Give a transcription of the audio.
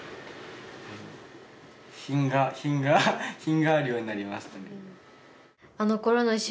品が品が品があるようになりましたね。